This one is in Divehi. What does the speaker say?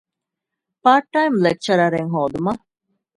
ޕާޓް ޓައިމް ލެކްޗަރަރެއް ހޯދުމަށް